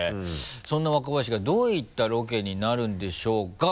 そんな若林がどういったロケになるんでしょうか？